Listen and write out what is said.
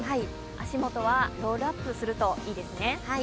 足元はロールアップするといいですね。